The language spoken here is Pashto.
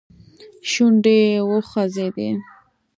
شونډي يې وخوځېدې.